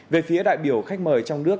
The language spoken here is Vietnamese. về phía đại biểu khách mời trong nước